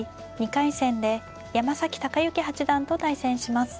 ２回戦で山崎隆之八段と対戦します。